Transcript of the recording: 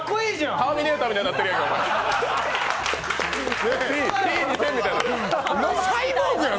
ターミネーターみたいになってんやん。